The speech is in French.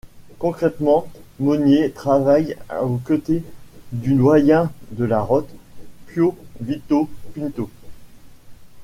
Concrètement, Monier travaille aux côtés du doyen de la Rote, Pio Vito Pinto.